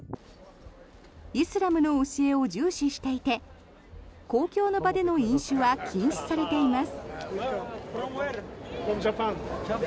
イスラムの教えを重視していて公共の場での飲酒は禁止されています。